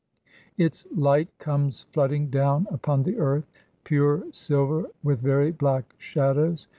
Its light comes flooding down upon the earth, pure silver with very black shadows.